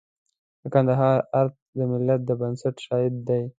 د کندهار ارګ د ملت د بنسټ شاهد دی.